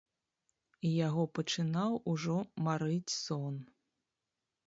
Яго пачынаў ужо марыць сон.